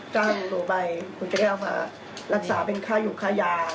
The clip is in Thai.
จ้างตัวไปคุณจะได้เอามารักษาเป็นค่าหยุดค่ายา